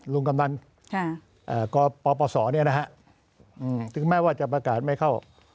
ลุงกำนันค่ะเอ่อปปสเนี้ยนะฮะอืมถึงแม้ว่าจะประกาศไม่เข้า